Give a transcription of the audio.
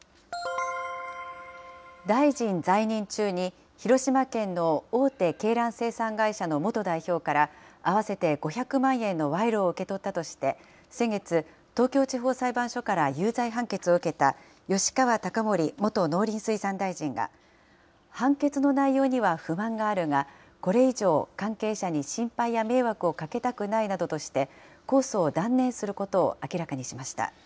大臣在任中に広島県の大手鶏卵生産会社の元代表から、合わせて５００万円の賄賂を受け取ったとして、先月、東京地方裁判所から有罪判決を受けた吉川貴盛元農林水産大臣が、判決の内容には不満があるが、これ以上関係者に心配や迷惑をかけたくないなどとして、控訴を断念することを明らかにしました。